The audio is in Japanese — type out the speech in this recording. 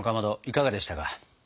いかがでしたか？